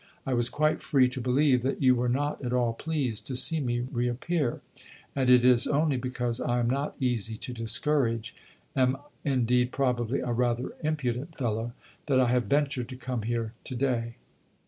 I was quite free to believe that you were not at all pleased to see me re appear and it is only because I am not easy to discourage am indeed probably a rather impudent fellow that I have ventured to come here to day."